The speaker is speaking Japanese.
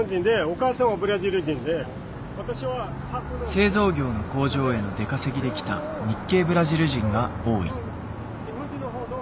製造業の工場への出稼ぎで来た日系ブラジル人が多い。